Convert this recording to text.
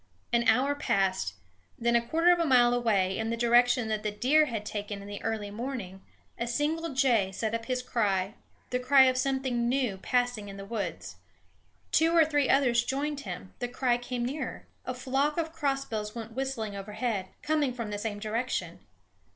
An hour passed; then, a quarter mile away, in the direction that the deer had taken in the early morning, a single jay set up his cry, the cry of something new passing in the woods. Two or three others joined him; the cry came nearer. A flock of crossbills went whistling overhead, coming from the same direction.